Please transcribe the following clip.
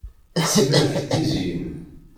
Simmal tettizyin.